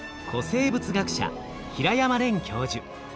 生物学者平山廉教授。